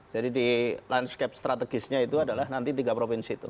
di landscape strategisnya itu adalah nanti tiga provinsi itu